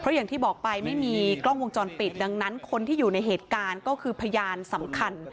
อย่างที่บอกไปไม่มีกล้องวงจรปิดดังนั้นคนที่อยู่ในเหตุการณ์ก็คือพยานสำคัญ